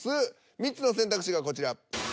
３つの選択肢がこちら。